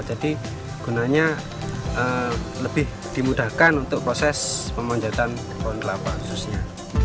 jadi gunanya lebih dimudahkan untuk proses pemanjatan pohon kelapa khususnya